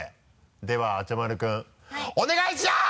ではあちゃまる君お願いします！